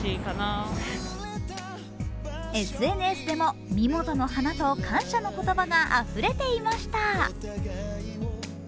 ＳＮＳでも、ミモザの花と感謝の言葉があふれていました。